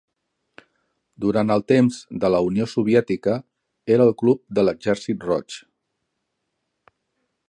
Durant els temps de la Unió Soviètica era el club de l'Exèrcit Roig.